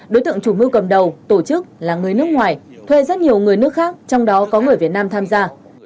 đối tượng chủ mưu cầm đầu tổ chức là người nước ngoài thuê rất nhiều người nước khác trong đó có người việt nam tham gia